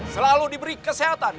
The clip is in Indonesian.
selalu diberi kesehatan